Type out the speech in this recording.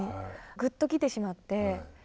グッときてしまって。